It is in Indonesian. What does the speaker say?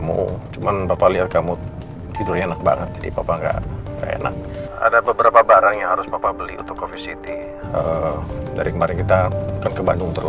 untuk keselamatan kamu